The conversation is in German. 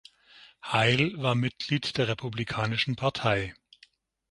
Heil war Mitglied der Republikanischen Partei.